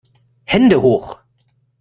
Hände hoch!